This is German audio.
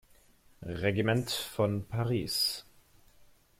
Regiment von Paris.